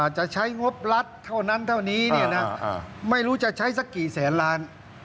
จะใช้งบรัฐเท่านั้นเท่านี้เนี่ยนะไม่รู้จะใช้สักกี่แสนล้าน